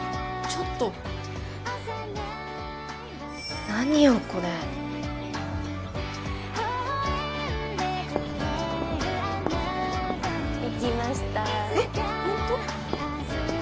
ちょっと何よこれ行きましたホント？